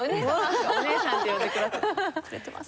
お姉さんって呼んでくれてます。